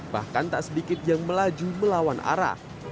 bahkan tak sedikit yang melaju melawan arah